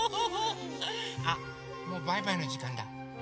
あっもうバイバイのじかんだ！